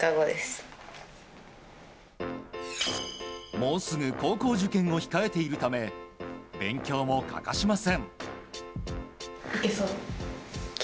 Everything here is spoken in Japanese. もうすぐ高校受験を控えているため勉強も欠かしません。